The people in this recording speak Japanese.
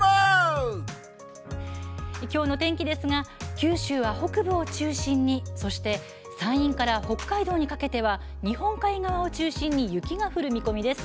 今日の天気ですが九州は北部を中心にそして山陰から北海道にかけては日本海側を中心に雪が降る見込みです。